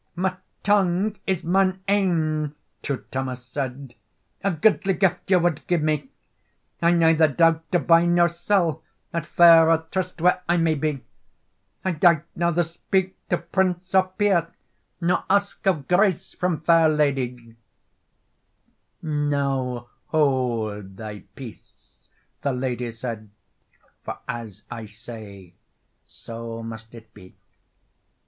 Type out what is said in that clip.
"My tongue is mine ain," True Thomas said, "A gudely gift ye wad gie me! I neither dought to buy nor sell, At fair or tryst where I may be. "I dought neither speak to prince or peer, Nor ask of grace from fair ladye:" "Now hold thy peace," the lady said, "For as I say, so must it be."